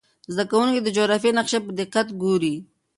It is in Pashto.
زده کوونکي د جغرافیې نقشه په دقت ګوري.